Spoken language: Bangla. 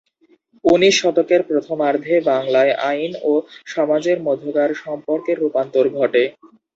উনিশ শতকের প্রথমার্ধে বাংলায় আইন ও সমাজের মধ্যকার সম্পর্কের রূপান্তর ঘটে।